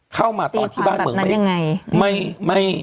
เข้ามาตอนที่บ้านเมือง